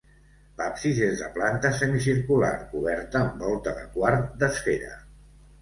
L'absis és de planta semicircular, coberta amb volta de quart d'esfera.